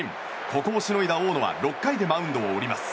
ここをしのいだ大野は６回でマウンドを降ります。